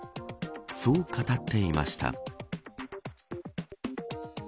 そう語っていました。